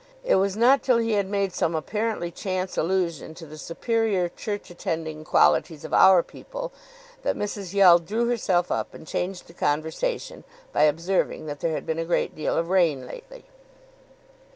It was not till he made some apparently chance allusion to the superior church attending qualities of "our people," that Mrs. Yeld drew herself up and changed the conversation by observing that there had been a great deal of rain lately.